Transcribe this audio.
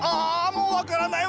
もう分からない！